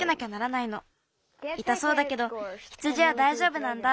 いたそうだけど羊はだいじょうぶなんだ。